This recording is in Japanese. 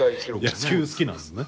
野球好きなんですね。